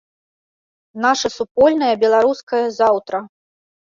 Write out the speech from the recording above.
Нашае супольнае беларускае заўтра!